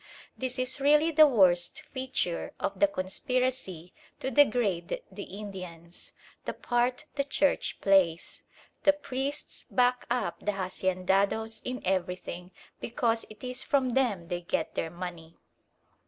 This is really the worst feature of the conspiracy to degrade the Indians, the part the Church plays. The priests back up the haciendados in everything because it is from them they get their money.